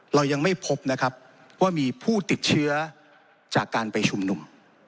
เรายังไม่พบนะครับว่ามีผู้ติดเชื้อจากการไปชุมนุม